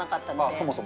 そもそも。